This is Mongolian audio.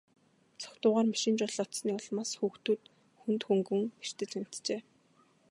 Согтуугаар машин жолоодсоны улмаас хүүхдүүд хүнд хөнгөн бэртэж гэмтжээ.